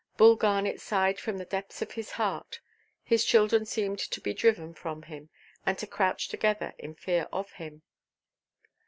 Bull Garnet sighed from the depths of his heart. His children seemed to be driven from him, and to crouch together in fear of him.